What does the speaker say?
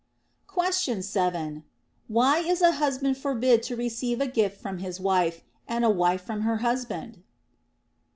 Question 7. Why is a husband forbid to receive a gift from his wife, and a wife from her husband